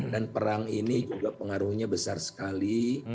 dan perang ini juga pengaruhnya besar sekali